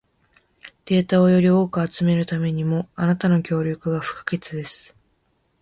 データをより多く集めるためにも、あなたの協力が不可欠です。